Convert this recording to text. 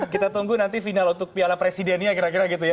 kita tunggu nanti final untuk piala presidennya kira kira gitu ya